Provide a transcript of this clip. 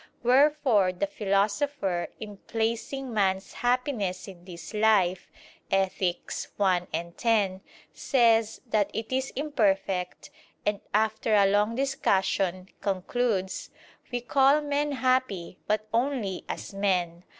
Wherefore the Philosopher, in placing man's happiness in this life (Ethic. i, 10), says that it is imperfect, and after a long discussion, concludes: "We call men happy, but only as men."